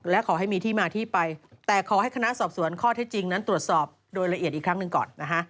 และขอให้มีที่มาที่ไปแต่ขอให้คณะสอบสวนข้อเท็จจริงนั้นตรวจสอบโดยละเอียดอีกครั้งหนึ่งก่อนนะฮะ